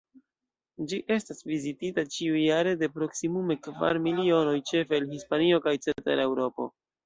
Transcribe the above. Ĝi estas vizitita ĉiujare de proksimume kvar milionoj, ĉefe el Hispanio kaj cetera Eŭropo.